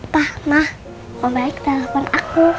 pak ma om baik telfon aku